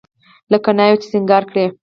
لکه ناوې چې سينګار کړې.